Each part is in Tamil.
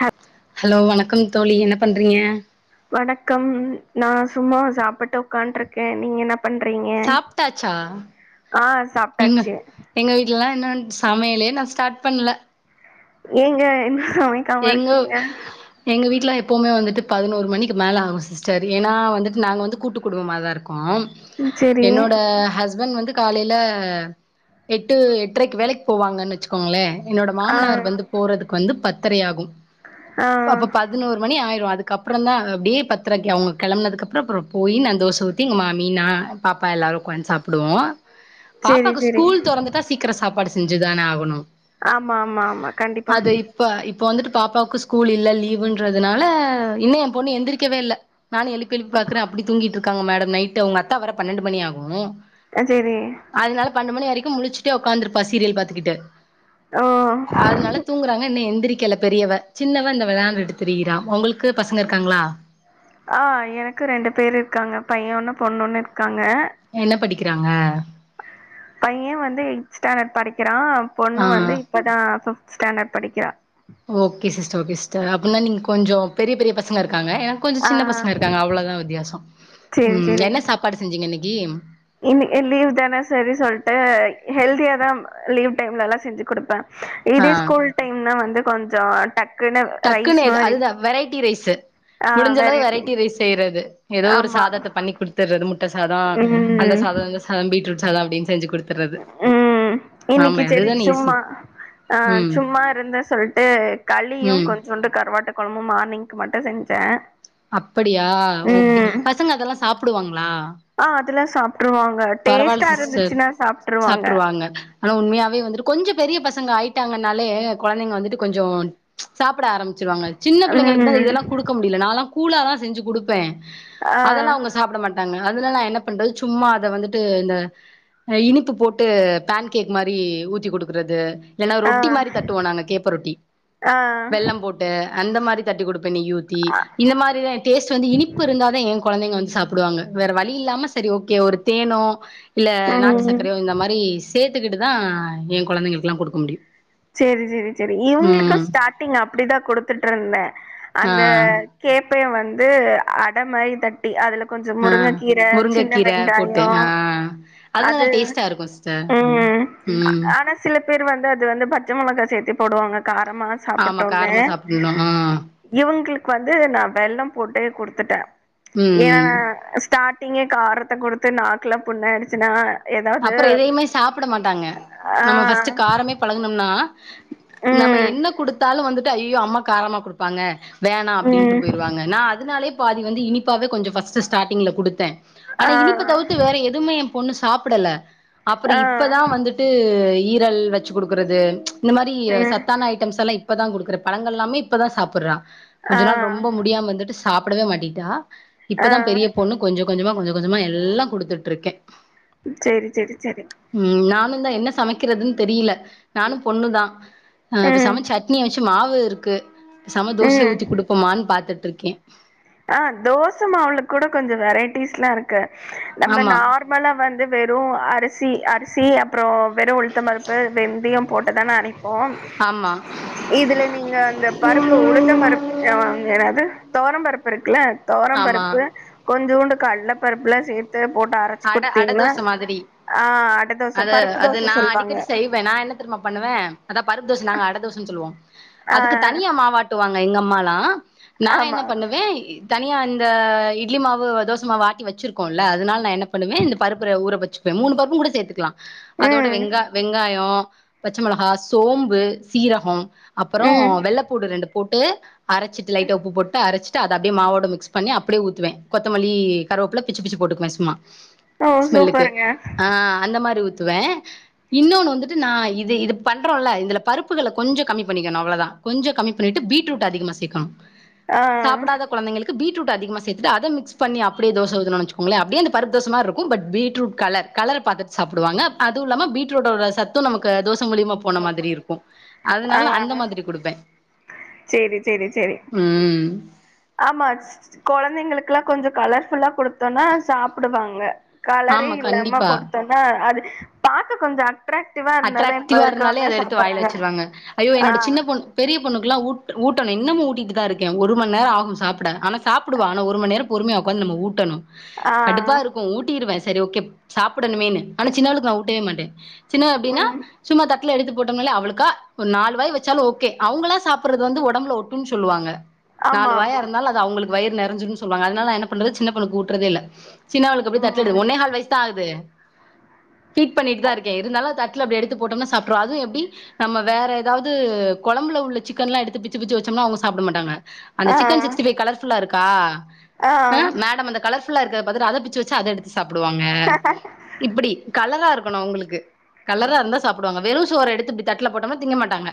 ஹ ஹலோ வணக்கம் தோழி என்ன பண்றீங்க வணக்கம் நா சும்மா சாப்புட்டு உட்காண்டுருக்கே நீங்க என்ன பண்றீங்க சாப்ட்டாச்சா ஆ எங்க சாப்ட்டாச்சு எங்க வீட்டலா இன்னு சமயலே நா ஸ்டார்ட் பண்ல ஏங்க [unintelligible] எங்கோ எங்க வீட்ல எப்போவுமே வந்துட்டு பதினோரு மணிக்கு மேலே ஆகு சிஸ்டர் ஏனா வந்துட்டு நாங்க வந்து கூட்டு குடும்பமா தா இருக்கோ செரி என்னோட ஹஸ்பண்ட் வந்து காலேல எட்டு எட்டரைக்கு வேலைக்கு போவாங்கன்னு வச்சுக்கோங்களே என்னோட ஆ மாமனார் வந்து போறதுக்கு வந்து பத்தரையாகு ஆ அப்ப பதினோரு மணி ஆயிறு அதுக்கப்புறந்தா அப்டியே பத்தரைக்கி அவுங்க கிளம்புனதுக்கப்புற அப்புற போயி நா தோசை ஊத்தி எங்க மாமி நா பாப்பா எல்லாரு உக்காந்து சாப்டுவோ செரி பாப்பாக்கு செரி ஸ்கூல் தொறந்துட்டா சீக்கிர சாப்பாடு செஞ்சுதான ஆகணு ஆமா ஆமா ஆமா கண்டிப்பா ப இப்ப வந்துட்டு பாப்பாக்கு ஸ்கூல் இல்ல லீவுன்றதுனால இன்னு எ பொண்ணு எந்திரிக்கவே இல்ல நானு எழுப்பி எழுப்பி பாக்கறே அப்படி தூங்கிட்டு இருக்காங்க மேடம் நைட் அவுங்க அத்தா வர பன்னெண்டு மணி ஆகு ஆ சேரி அதனால பன்னண்டு மணி வரைக்கு முழிச்சுட்டே உக்காந்துருப்பா சீரியல் பாத்துக்கிட்டு ஓ அதனால தூங்குறாங்க இன்னு எந்திரிக்கல பெரியவ சின்னவ இந்த விளாண்டுட்டு திரியறா உங்களுக்கு பசங்க இருக்காங்ளா ஆ எனக்கு ரெண்டு பேர் இருக்காங்க பைய ஒன்னு பொண்ணு ஒன்னு இருக்காங்க என்ன படிக்கிறாங்க பைய வந்து எய்த் ஸ்டாண்டர்ட் படிக்கிறா ஆ பொண்ணு வந்து இப்படா ஃபிப்த் ஸாண்டர்ட் படிக்கிறா ஓகே சிஸ்ட ஓகே சிஸ்ட அப்டின்னா நீங்க கொஞ்ச பெரிய பெரிய பசங்க இருக்காங்க எ கொஞ்சொ ஆ சின்ன பசங்க இருக்காங்க அவ்ளோதா வித்தியாச செரி ம் என்ன சாப்பாடு செஞ்சிங்க இன்னைக்கு இன்னி இ லீவ் தானே சரி சொல்லிட்டு ஹெல்தியா தா லீவ் டைம்லலா செஞ்சு கொடுப்பே ஆ இதே ஸ்கூல் டைம்னா வந்து கொஞ்சொ டக் டக்குனு எது அதுதா வெரைட்டி ரைஸு முடிஞ்சளவு வெரைட்டி ரைஸ் செய்யறது ஏதோ ஒரு ஆமா சாதத்த பண்ணி குடுத்துறது முட்டை சாதொ அந்த ம் சாத இந்த சாத பீட்ரூட் சாத அப்டினு செஞ்சு கொடு ம் இன்னைக்கு சரி அதுதான ஈஸி சும்மா அ ம் சும்மா இருந்தே சொல்ட்டு களியு ம் கொஞ்சோண்டு கருவாட்டு கொழம்பும் மார்னிங்க்கு மட்டு செஞ்சே அப்படியா ஓகே ம் பசங்க அதெல்லா சாப்டுவாங்ளா ஆ அதெல்லா சாப்ட்ருவாங்க டேஸ்ட்டா இருந்துச்சுன்னா சாப்ட்டுருவாங்க அங்க ஆனா உண்மையாவே வந்துட்டு கொஞ்சொ பெரிய பசங்க ஆயிட்டாங்கனாலே குழந்தைங்க வந்துட்டு கொஞ்சோ சாப்ட ஆரம்பிச்சிருவாங்க சின்ன பிள்ளைங்களுக்கு தா ம் இதெல்லா கொடுக்க முடியல நாலா கூலாதா செஞ்சு கொடுப்பே ஆ அதெல்லா அவுங்க சாப்பிட மாட்டாங்க அதனால நா என்ன பண்றது சும்மா அத வந்து இந்த இனிப்பு போட்டு போன் கேக் மாரி ஊத்தி கொடுக்குறது இல்லன்னா ஆ ரொட்டி மாரி தட்டுவோ நாங்க கேப்ப ரொட்டி ஆ வெள்ளம் போட்டு அந்த மாரி தட்டி கொடுப்பே நெய் ஊத் தி அ இது மாரித டேஸ்ட் வந்து இனிப் ப்பு இருந்தாதே குழந்தைங்க வந்து சாப்பிடுவாங்க வேற வழி இல்லாம சேரி ஓகே ஒரு தேனோ இல்ல நாட்டு ம் சக்கரையோ இந்த மாரி சேர்த்துக்கிட்டுதா ஏ குழந்தைங்களுக்கெல்லா கொடுக்க முடியு சேரி சேரி சேரி இவங்களுக்கு ம் ஸ்டார்ட்டிங் அப்டிதா கொடுத்துட்டு இருந்தே ஆ அந்த கேப்பய வந்து அடை மாரி தட் அதுல கொஞ்சோ ஆ முருங்கைக்கீரை சின்ன முருங்கக்கீர போட்டு வெங்காய ஆ நல்லா அது டேஸ்ட்டா இருக்கு ம் ம் ஆனா சில பேர் வந்து அது வந்து பச்சை மிளகா சேர்த்தி போடுவாங்க காரமா ஆமா காரமா சாப்பிடணு ம் இவங்களுக்கு வந்து நா வெல்லம் போட்டே குடுத்துட்டே ஏ ம் ஸ்டார்ட் டிங்கே காரத்த கொடுத்து நாக்கலா புண்ணு ஆயிடுச்சுன்னா அப்பற எதையுமே சாப்பிட மாட்டாங்க ஆ நம்ம ஃபஸ்ட் காரமே பழகனும்னா நம்ம ம் என்ன கொடுத்தாலு வந்துட்டு ஐய்யயோ அம்மா காரமா கொடுப்பாங்க வேணா ம் அப்டின்ட்டு போயிருவாங்க நா அதனாலே பாதி வந்து இனிப்பவே கொஞ்சோ ஃபஸ்டு ஸ்டாட்டிங்ல கொடுத்தே ஆனா ஆ இனிப்பு தவித்து வேற எதுவுமே ஏ பொண்ணு சாப்பிடல அப்பற ஆ இப்பதா வந்துட் டு ஈரல் வச்சு கொடுக்கறது இந்த மாரி ம் சத் தான ஐட்டம்ஸ் எல்லா இப்பதா கொடுக்குற பழங்கள் எல்லாமே இப்பதா சாப்புற்றா ஆ கொஞ்ச நாள் ரொம்ப முடியாம வந்துட்டு சாப்பிடவே மாட்டிட்டா ஆ இப்பதா பெரிய பொண்ணு கொஞ்ச கொஞ்சமா கொஞ்ச கொஞ்சமா எல்லா கொடுத்துட்டு இருக்கே சேரி சேரி சேரி ம் நானு தா என்ன சமைக்கிறதுன் தெரியல நானு பொண்ணுதா அ ம் பேசம சட்னி வச்சு மாவு இருக்கு சம தோசையை ம் ஊத்தி குடுப்போமான்னு பாத்துட்டு இருக்கே ஆ தோசை மாவுளக்கூட கொஞ்சோ வெரைட்டிஸ்ல்லா இருக்கு நம்ம ஆமா நார் மல வந்து வெறு அரிசி அரிசி அ அப்பறோ வெறு உளுத்தம் பருப்பு வெந்தயே போட்டு தானே அரைப்போ ஆமா இதுல நீங்க அந்த பருப்பு உழுந் த்த பருப்பு ஏனாவது தோவரம் பருப்பு இருக்குல்ல தோவர ஆமா பருப்பு கொஞ்சோண்டு கடல பருப்புலா சேத்து போட்டு அரைச்சு அட அட குடுத்தீங்ன்னா தோச மாதிரி ஆ அடை தோசை அது பருப்பு அது தோசை நா சொல்லுவாங்க அடிக்கடி செய்வே நா என்ன தெரியுமா பண்ணுவே அதா பருப்பு தோச நாங்க அடை தோசயைன்னு சொல்லுவோ ஆ அதுக்கு தனியா மாவாட் டு வாங்க எங்க அம்மாலா நா என்ன ஆமா பண்ணுவே தனியா இந்த இட்லி மாவு தோச மாவு ஆட்டி வச்சுருக்கோலே அதனா நா என்ன பண்ணுவே இந்த பருப்புரை ஊற வச்சு மூணு பருப்பு கூட சேத்துக்கலா அதோட ம் வெங்க வெங்காயம் பச்சை மிளகா சோம்பு சீரகம் அப்பறோ ம் வெள்ளைப்பூடு ரெண்டு போட்டு அரைச்சிட்டு லைட்ட உப்பு போட்டு அரைச்சிட் டு அத அப்படியே மாவோட மிக்ஸ் பண்ணி அப்படியே ஊற்றுவே கொத்தமல்லி கரவேப்புள்ளே பிச்சு பிச்சு போட்டுக்குவே சும்மா ஓ ஸ்மெல்லுக்கு சூப்பருங்க ஆ அந்த மாரி ஊத்துவே இன்னொன்னு வந்துட்டு நா இது இது பண்றோல இதுல பருப்புகளை கொஞ்சோ கம்மி பண்ணிக்கணு அவ்வளோதா கொஞ்சோ கம்மி பண்ணிட்டு பீடரூட் அதிகமா சேக்கணு ஆ சாப்பிடாத குழைங்களுக்கு பீட்ரூட் அதிகமா சே்த்துட்டு அத மிக்ஸ் பண்ணி அப்புடே தோச ஊத்துணோனு வெச்சுக்கோங்ளே அப்ட்யே அந்தப் பர்தோசமா இருக்கு பட் பீட்ரூட் கலர் கலர பாத்துட் சாப்டுவாங்க அதுவு இல்லாம பீட்ரூட்டோட சத் து நமக்கு தோச மூலியமா போன மாதிரி இருக்கு அதனால அந்த மாதிரி குடுப்பே செரி செரி செரி ம் ஆமாஸ் கொழந்தைங்களுக்குல்லா கொஞ்சோ கலர்ஃபுல்லா குடுத்தோனா சாப்டுவாங்க கலரே ஆமா இல்லாம கண்டிப்பா கொடுத்தொன்னா அது பாக்க கொஞ்சட் அட்ராக்டிவா இருந்தாலே அத எடுத்து வாய்ல வச்சிருவாங்க ஐயோ ஆ என்னோட சின்ன பொன் பெரிய பொண்ணுக்லா ஊட் ஊட்டணு இன்னமு ஊட்டிட்டு தா இருக்கே ஒரு மண் நேரோ ஆகு சாப்ட ஆனா சாப்புடுவா ஆனா ஒரு மண் நேரம் பொறுமையா உக்காந்த் நம்ம ஊட்டணு ஆ கடுப்பா இருக்கு ஊட்டிருவே சரி ஓகேப் சாப்புடணுமேன்னு ஆனா சின்னவள்க்கு நா ஊட்டவே மாட்டே சின்னவ எப்டின்னா ம் சும்மா தட்ல எடுத்து போட்டோமலே அவ்ளுக்கா ஒர் நாலு வாய் வச்சாலு ஓகே அவ்ங்களா சாப்பர்றது வந்து ஒடம்புல ஒட்டும்ன் ச்சொல்லுவாங்க நாலு ஆமா வாயா ஆமா இருந்தாலு அது அவுங்களுக் வயிறு நெறஞ்சிருன் சொல்வாங்க அதனால் நா என்ன பண்றது சின்ன பொண்ணுக் ஊட்றதே இல்ல சின்னவள்க்கு போய் தட்டு எடு ம் ஒன்னே கால் வய்ஸா தா ஆகுது ஃபீட் பண்ணிட்டுதா இருக்கே து நல்லா தட்ல அப்டி எடுத்து போட்டோனா சாப்ட்ரு அது எப்டி நம்ம வேற ஏதாவ்து கொழம்புல உள்ள சிக்கன்லா எடுத்து பிச்சு பிச்சு வச்சோம்னா அவ்ங்க சாப்ட மாட்டாங்க அந்த ஆ சிக்கன் சிக்ஸ்டி ஃபை கலர்ஃபுல்லா இருக்கா ஆ அ மேடம் அந்த கர்புல்லா இருக்கற்த பாத்துட்டு அத பிச்சு வச்சா அத எடுத் சாப்டுவாங்க இப்டி கலரா இருக்கணு அவ்ங்ளுக்கு கலரா இருந்தா சாப்டுவாங்க வெறு சோற எடுத்து இப்டி தட்ல போட்டம்ன்னா திங்கமாட்டாங்க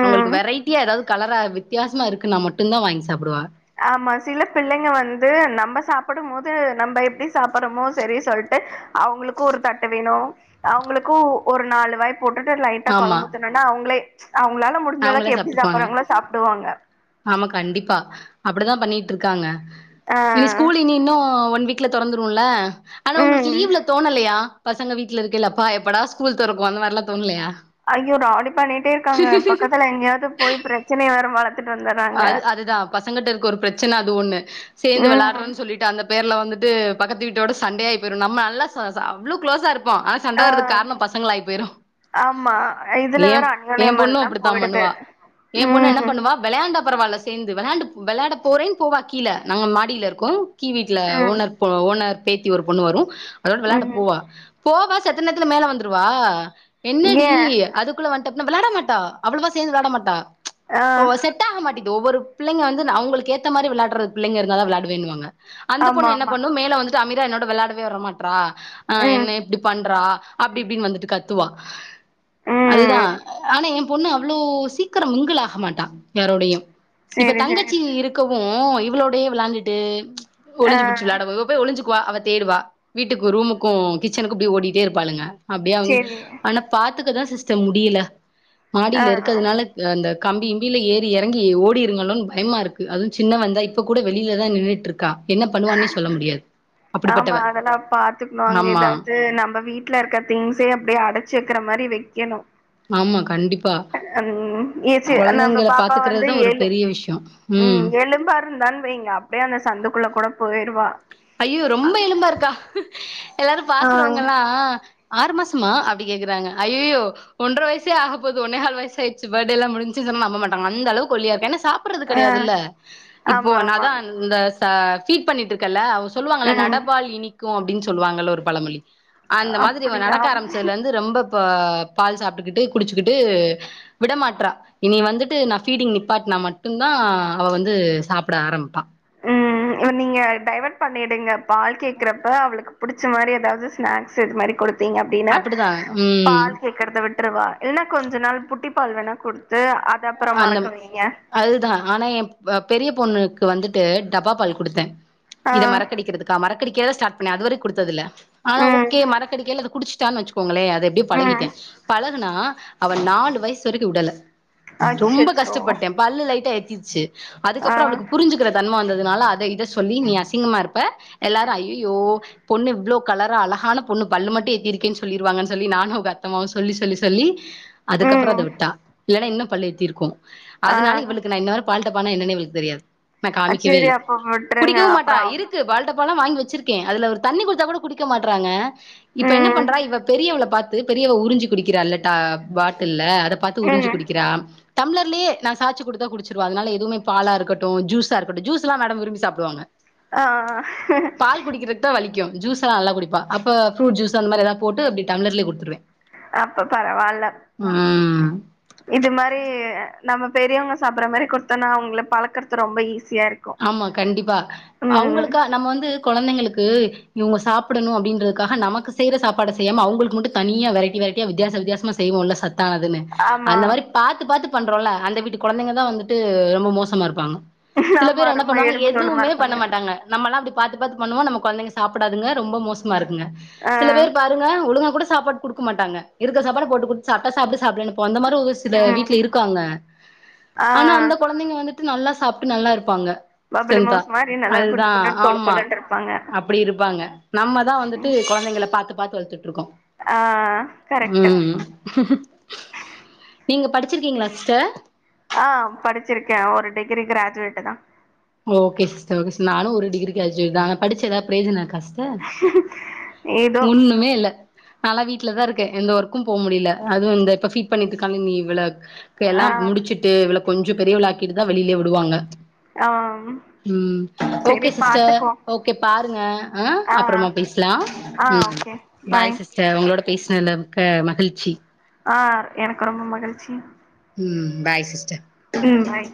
அவங்கள்க்கு வெரைட்டியா ஏதாவ் கலரா வித்யாசமா இருக்குன்னா மட்டுன் தா வாய்ன் சாப்புடுவா ஆமா சில பிள்ளைங்க வந்து நம்ம சாப்புடும் போது நம்ப எப்டி சாப்பறமோ சரி சொல்ட்டு அவ்ங்ளுக்கு ஒரு தட்டு வேணு அவ்ங்ளுக்கூ ஒரு நாலு வாய் போட்டுட்டு லைட்டா ஆமா கொழம்பு ஊத்துனனா அவ்ங்ளே அவ்ங்ளால முடிஞ்ச அளக் அவங்களே எப்டி சாப்ட்டுக்குவாங்க சாப்புர்றாங்களோ சாப்டுவாங்க ஆமா கண்டிப்பா அப்படிதா பண்ணிட்ருக்காங்க நினி ஆஹ் ஸ்கூலி நின்னு ஒன் வீக் ட்ல தொறந்துருல்ல ஆனா உங்ளுக்கு உம் லீவ்ல தோணலையா பசங்க வீட்ல இருக்கய்ல ப்பா எப்படா ஸ்கூல் தறக்கு அந்த மாறில்லா தோண்லையா ஐய்யோ ராடி பண்ணிட்டே இருக்காங்க பக்கத்துல எங்யாவ்து போய் ப்ரச்சனையஞ்ய வேற வளத் அது அதுதா பசங்கட்ட இருக்க ஒரு ப்ரச்சன அது ஒண்ணு சேந்து உம் விளையாட்றோன் சொல்லிட் ட்டு அந்த பேர்ல வந்துட்டு பக்கத்து வீட்டோட சண்ட ஆய் போய்ரு நம்ம நல்லா ஸ ஸா அவ்ளோ கு்ளோஸாரு இருப் போ ஆனா சண்ட வறதுக் ஆஹ் காரணம் பசங்களாய் போய்ரு ஆமா இதுல வேற அன்னோன்யம் பொண்ணு எல்லாம் அப்டித்தா போய்டுது உம் விளையாண்டா பரவால்ல சேந்து விளையாண்டு விளையாட போறேன்னு போவா கீழ நாங்க மாடில இருக்கோ கீ வீட்ல உம் ஓனர் போ ஓனர் பேத்தி ஒரு பொண்ணு வரு அதோட விளையாட உம் போவா போவா சத்த நேத்துல மேல வந்துருவா என்னடி ஏன் அதுப் க்குள்ள வன்ட்டம்னா விளையாட மாட்டா அவ்ளவா சேந்து விளாட மாட்டா ஆ ஓ செட் டாக மாட்டிக்து ஒவ்வொரு பிள்ளைங்க வந்து அவ்ங்ளுக் ஏத்த மாறி வெளாட்ற பிள்ளைங்க இருந்தா தா விளாடுவேன்னு வாங்க அந்த ஆமா பொண்ணு என்ன ஆமா பண்ணு மேல வந்துட்டு அமிதா என்னோட வெளாடவே வரமாட்றா ஆ ம் என்ன இப்டி பண்றா அப்டி இப்டின்னு வந்துட்டு கத்துவா அதுதா ம் ஆனா என் பொண்ணு அவ்ளோ சீக்கரம் மிங்குல் ஆக மாட்டா யாரோடையும் இப்ப சேரி சேரி தங்கச்சி இருக்கவு இவளோடையே விளாண்டுட்டு ஆ ஒளிஞ்சு புடிச்சி விளையாடுபஓப் போய் ஒளிஞ்சுக்குவா அவ தேடுவா வீட்டுக்கு ரூமுக்கு கிச்சனுக்கு இப்டி ஓடிட்டே இருப்பாளுங்க அப்டியா அங் சேரி ஆனா பாத்துக்கதா சிஸ்ட முடியல ஆ மாடில இருக்கதுனால யா அந்த கம்பி இம்பில ஏத் எறங்கி ஓடிருங்களோன் பயமா இருக்கு அதுவு சின்னவந்தா இப்ப கூட வெளில தா நின்னுட்டுருக் கா என்ன பண்ணுவான் ஆமா அதெல்லாம் பாத்துக்ணு அங்க ஆமா எதாவ்து நம்ப வீட் ல இருக்க திங்ஸே அப்டே அடச்சு வெக்கிற மாரி வெக்கெணு ஆமா கண்டிப்பா ம் ஏஜ்ஜு நம்ப கொழந்தைங்கள பாப்பா வந்து பாத்துக்கறதுதா ஒரு ஏழு பெரிய விஷ்யோ ம் எலும்பா இருந்தான் வைங்க அப்டே அந்த சந்துக்குள்ள கூட போயிருவா ஐய்யோ ரொம்ப எலும்பா இருக்கா எல்லாரு ஆ பாக்குறவங்கல்லா ஆறு மாசமா அப்டி கேக்குறாங்க ஐய்யய்யோ ஒன்ற வயசே ஆக போது ஒன்னே கால் வயசாய்ட்ச்சி பேட்டேல்லா முடிஞ்சி சொன்னா நம்ப மாட்டாங்க அந்தளவுக்கு ஒல்லியா இருப் ஏனா சாப் பட்றது ஆ கெடையாதுல்ல இப்போ ஆமா ஆமா நாதா இந்த ச ஃபீட் பண்ணிட்டுருக்கல்ல அவ சொல்லுவாங்கல்ல ம் நடபால் இனிக்கு அப்டின் சொல்லுவாங்கல்ல ஒரு பழமொழி அந்த மாதிரி இவ அப்படியா நடக்க ஆரம்பிச்சதுலெந்து ரொம்ப இப்ப பால் சாப்ட்டுக்கிட்டு குடிச்சுக்கிட்டு விடமாட்றா இனி வந்துட்டு நா ஃபீடிங் நிப்பாட்னா மட்டுந்தா அவ வந்து சாப்பிட ஆரம்பிப்பா ம் நீங்க டைவட் பண்ணிடுங்க பால் கேக்குறப்ப அவளுக்கு புடிச்ச மாரி எதாவ்து ஸ்நாக்ஸ் இது மாரி குடுத்தீங்க அப்டினா அப்டிதா ம் பால் கே க்கர்த விட்ருவா இல்னா கொஞ்ச நாள் புட்டி பால் வேணா குடுத்து அத அப்பற அந்த மறக்க வைங்க அதுதா ஆனா எ வ பெரிய பொண்ணுக்கு வந்துட்டு டப்பா பால் குடுத்தே ஆ இத மறக்கடிக்கிறதுக் க மரறக்கடிக்கறதா ஸ்டாட் பண்ண அதுவர குடுத்ததில்ல ஆனா ம் ஓகே மறக்கடிக்கைல அத குடிச்ட்டா வெச்சுக்கோங்களே அது எப்டியோ பழகிட்டே ம் பழகுனா அவ நாலு வயசு வெரிக்கு உடல ரொம்ப அச்சச்சோ கஷ்டப்பட்டே பல்லு லைட்டா எத்திச்சி ஆ அதுக்கப்புறோ அவளுக்கு புரிஞ்சுக்கிற தன்ம வந்ததுனால அத இத சொல்லி நீ அசிங்கமா இருப்ப எல்லாரு ஐய்யய்யோ பொண்ணு இவ்ளோ கலரா அழகான பொண்ணு பல்லு மட்டு ஏத்தியிருக்கேன் சொல்லிருவாங்கன் சொல்லி நானு அவுங் அத்தமாவு சொல்லி சொல்லி சொல்லி அதுக்கப்புற அது ம் விட்டா இல்லனா இன்னு பல்லு எத்திருக்கு ஆ அதனால இவளுக்கு நா இந்நேரோ பால் டப்பாணா என்னனே இவளுக் தெரியாது நா காமிக்கவே சரி இல்ல அப்ப விட்ருங்க குடிக்கவும் மாட்டா அப்புறம் இருக்கு பால் டப் பாலா வாங்கி வெச்சிருக்கே அதுல ஒரு தண்ணி குடுத்தா கூட குடிக்க மாட்றாங்க இப்ப என்ன ம் பண்றா இவ பெரியவள பாத் து பெரியவ உறிஞ்சு குடிக்கிறா இல்லாட்டா பாட்டில்ல அத பாத்து உறிஞ்சி ம் குடிக்கிறா டம்ளர்லியே நா சாச்சு குடுத்தா குடிச்சிடுவா அதனால எதுவும பாலா இருக்கட்டு ஜூஸா இருக்கட்டு ஜூஸ்லா மேடம் விரும்பி சாப்டுவாங்க ஆ ஆ ண்ட வளிக்கு ஜூஸ்லா நல்லா குடிப்பா அப்ப ஃப்ரூட் ஜூஸு அந்த மாரி எதாது போட்டு அப்டி டம்ளர்லே குட்த்துருவே அப்ப பரவால்ல ம் இது மாரி நம்ம பெரியவங்க சாப்புற மாரி குடுத்தோனா அவுங்கள பழக்கறது ரொம்ப ஈஸியா இரு ஆமா கண்டிப்பா அவுங்களுக்கா நம்ம வந்து கொழந்திங்களுக்கு இவுங்க சாப்பிடணு அப்டின்றக்காக நமக்கு செய்ற சாப்பாட செய்யாம அவுங்களுக்கு மட்டு தனியா வெரைட்டி வெரைட்டியா வித்தியாச வித்தியாசமா செய்வோல சத்தானதுனு ஆமா அந்த மாரி பாத்து பாத்து பண்றோல அந்த வீட்டு கொழந்தைங்கதா வந்துட்டு ரொம்ப மோசமா இருப்பாங்க சில ஆமா பேர் என்ன ரொம்ப பண்ணுவாங்க எலும்பு தோலுமா எதுவுமே பண்ண இருப்பாங்க மாட்டாங்க நம்மெல்லா அப்டி பாத்து பாத்து பண்ணுவோ நம்ம கொழந்தைங்க சாப்புடாதுங்க ரொம்ப மோச மா இருக்குங்க ஆ சில பேரு பாருங்க ஒழுங்கா கூட சாப்பாட் குடுக்க மாட்டாங்க இருக்க சாப்பாட போட்டு குத் சாப்ட்டா சாப்டு சாப்புலன்னா போ அந்த மாரி ஒரு சில ம் வீட்ல இருக்காங்க ஆ ஆனா அந்த கொழந்தைங்க வந்துட்டு நல்லா சாப்ட்டு நல்லா இரு ப்பாங்க பப்பலி மாஸ் மாரி நல்லா குண்டு குண்டுன் கொழு கொழுன்ட்டுருப்பாங்க அப்படி இருப்பாங்க நம்மதா வந்துட்டு கொழந்தைங்கள பாத்து பாத்து வளத்துட்டுருக்கோ ஆ கரெக்ட்டு ம் நீங்க படிச்சிருக்கீங்ளா சிஸ்டர் ஆ படிச்சிருக்கே ஒரு டிகிரி கிராஜி வேட்டு தா ஓகே சிஸ்டர் ஓகே சிஸ் நானு ஒரு டிகிரி கிராஜ் வேட்தா அனா படிச்சு ஏதாவ்து பிரோயோஜனோ இருக்கா சிஸ்டர் ஏதோ ஒண்ணுமே இல்ல நாலா வீட்லதா இருக்கே எந்த ஒர்க்கும் போ முடில அது இந்த இப்ப ஃபீட் பண்ணிட்டுருக்கானே இவள இப்ப எல்லா ஆ முடிச்சுட்டு இவள கொஞ்சோ பெரியவளாக்கிட்டுதா வெளிலியே விடுவாங்க ஆ ம் செரி ஓகே சிஸ்டர் பாத்துக்குவோ ஓக் கே பாருங்க ஆ அப்புறமா பேஸ்லாம் ஆ ம் ஓகே பாய் சி ஸ்டர் உங்ளோட பேஸ்னதுல மிக்க மகிழ்ச்சி ஆ எனக்கு ரொம்ப மகிழ்ச்சி ம் பாய் சிஸ் ம் பாய்